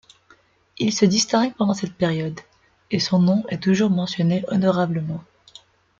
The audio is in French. Il se distingue pendant cette période, et son nom est toujours mentionné honorablement.